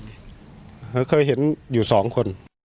เคยเห็นอยู่สองคน